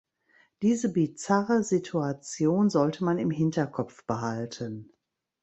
Diese bizarre Situation sollte man im Hinterkopf behalten.